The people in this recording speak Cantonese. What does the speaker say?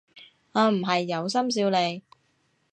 我唔係有心笑你